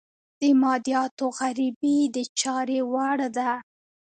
د مادیاتو غريبي د چارې وړ ده.